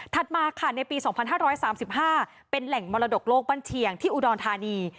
ถัดมาในปี๒๕๓๕เป็นแห่งมรดกโลกบรรเทียงที่อุดรธานี